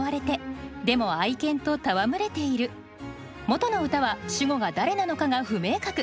もとの歌は主語が誰なのかが不明確。